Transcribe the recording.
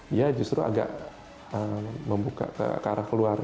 dia justru agak membuka ke arah keluarga